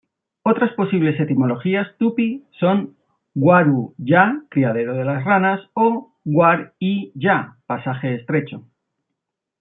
Otras posibles etimologías tupi son "Guaru-ya" "criadero de las ranas" o "Gu-ar-y-ya" "pasaje estrecho".